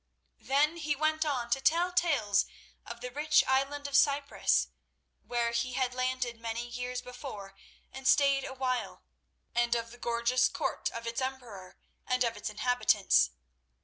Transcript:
Then he went on to tell tales of the rich island of Cyprus, where he had landed many years before and stayed awhile, and of the gorgeous court of its emperor, and of its inhabitants.